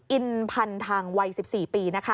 อินพันทางวัย๑๔ปี